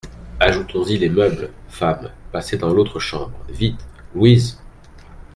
Ajoutons-y les meubles ! Femmes, passez dans l'autre chambre, vite ! LOUISE.